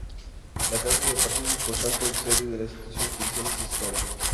La cabeza de partido y por tanto sede de las instituciones judiciales es Tuy.